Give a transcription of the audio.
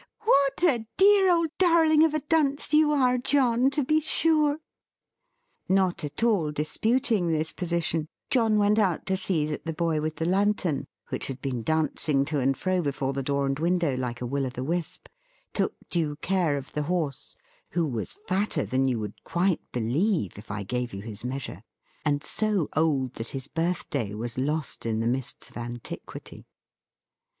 "What a dear old darling of a dunce you are, John, to be sure!" Not at all disputing this position, John went out to see that the boy with the lantern, which had been dancing to and fro before the door and window, like a Will of the Wisp, took due care of the horse; who was fatter than you would quite believe, if I gave you his measure, and so old that his birthday was lost in the mists of antiquity.